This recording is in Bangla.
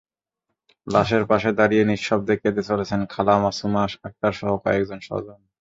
লাশের পাশে দাঁড়িয়ে নিঃশব্দে কেঁদে চলছেন খালা মাসুমা আক্তারসহ কয়েকজন স্বজন।